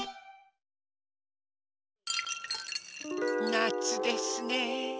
なつですね。